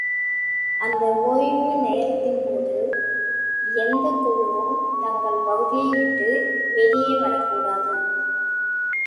அந்த ஒய்வு நேரத்தின்போது, எந்தக் குழுவும் தங்கள் பகுதியைவிட்டு வெளியே வரக்கூடாது.